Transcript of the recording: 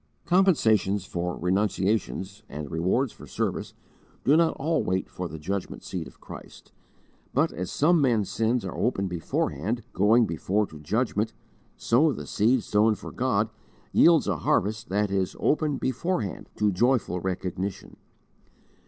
Compensations for renunciations, and rewards for service, do not all wait for the judgment seat of Christ, but, as some men's sins are open beforehand, going before to judgment, so the seed sown for God yields a harvest that is 'open beforehand' to joyful recognition.